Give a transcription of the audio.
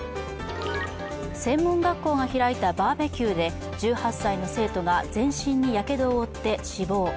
専門学校が開いたバーベキューで１８歳の生徒が全身にやけどを負って死亡。